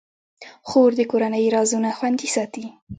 خور د کورنۍ رازونه خوندي ساتي.